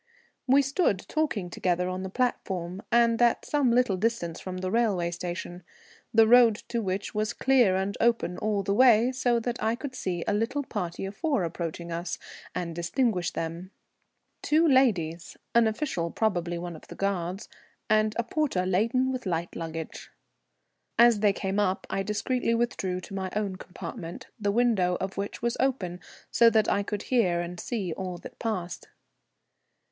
We stood talking together on the platform, and at some little distance from the railway station, the road to which was clear and open all the way, so that I could see a little party of four approaching us, and distinguish them. Two ladies, an official, probably one of the guards, and a porter laden with light luggage. As they came up I discreetly withdrew to my own compartment, the window of which was open, so that I could hear and see all that passed.